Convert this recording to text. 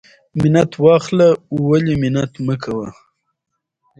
منت واخله ولی منت مکوه.